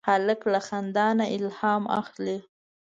هلک له خندا نه الهام اخلي.